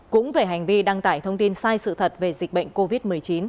cũng về hành vi đăng tải thông tin sai sự thật về dịch bệnh covid một mươi chín